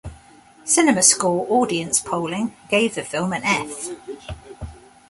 CinemaScore audience polling gave the film an "F".